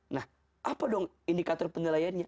nah apa dong indikator penilaiannya